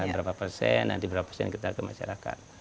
berapa persen nanti berapa persen kita ke masyarakat